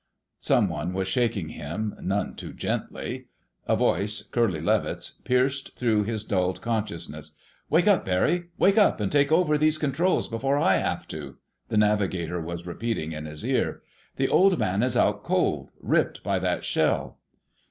Someone was shaking him, none too gently. A voice, Curly Levitt's, pierced through his dulled consciousness. "Wake up, Barry! Wake up and take over these controls before I have to," the navigator was repeating in his ear. "The Old Man is out cold—ripped by that shell."